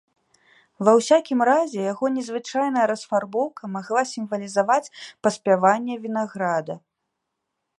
Ва ўсякім разе, яго незвычайная расфарбоўка магла сімвалізаваць паспяванне вінаграда.